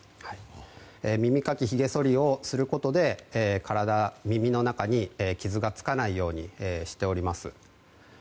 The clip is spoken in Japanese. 耳かき、ひげそりをすることで体、耳の中に傷がつかないようにしております。